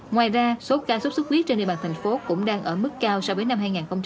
ngoài ra số ca xuất xuất huyết trên địa bàn thành phố cũng đang ở mức cao so với năm hai nghìn một mươi tám